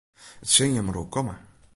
It sil jin mar oerkomme.